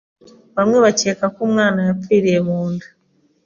bamwe bakeka ko umwana yapfiriye munda